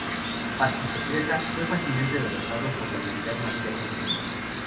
Para su sorpresa, fue fácilmente derrotado por la habilidad marcial de su hermano.